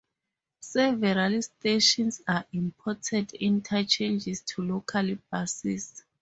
Several stations are important interchanges to local buses.